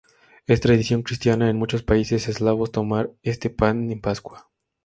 Es tradición cristiana en muchos países eslavos tomar este pan en Pascua.